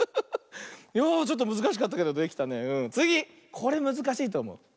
これむずかしいとおもう。